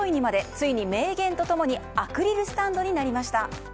ついに名言と共にアクリルスタンドになりました。